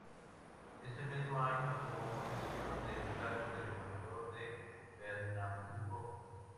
Ese mismo año tomó posesión del cargo de gobernador de Pernambuco.